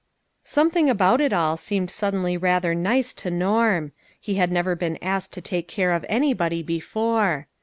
Something about it all seemed suddenly rather nice to Norm. He had never been asked to take care of anybody before.